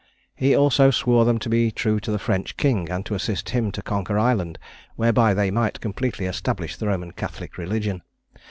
He also swore them to be true to the French king, and to assist him to conquer Ireland, whereby they might completely establish the Roman Catholic Religion.